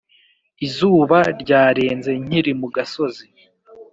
Izuba ryarenze nkiri mu gasozi